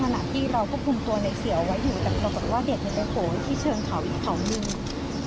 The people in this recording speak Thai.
แต่บรรจบัตรว่าเด็กไม่ได้โป้ยที่เชิงเขาอีกเขาหนึ่ง